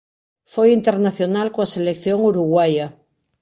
Foi internacional coa selección uruguaia.